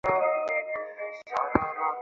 সে আমি পারিব না।